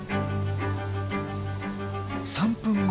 ３分後。